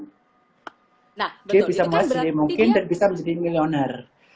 dia bisa mulai sedini mungkin dan bisa menjadi milioner